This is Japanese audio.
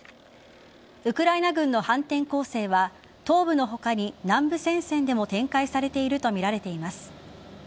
ウクライナ軍の反転攻勢は東部の他に南部戦線でも展開されているとみられています。